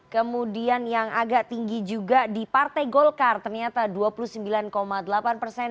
kemudian yang agak tinggi juga di partai golkar ternyata dua puluh sembilan delapan persen